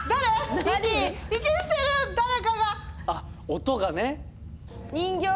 あっ音がね。